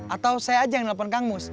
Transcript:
atau saya aja yang nelfon kang mus